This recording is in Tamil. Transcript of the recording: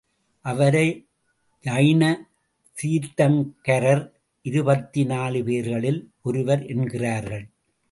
அவரை ஜைன தீர்த்தாங்கரர் இருபத்தி நாலு பேர்களில் ஒருவர் என்கிறார்கள்.